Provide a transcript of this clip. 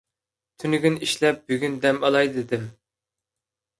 تۈنۈگۈن ئىشلەپ، بۈگۈن دەم ئالاي دېدىم.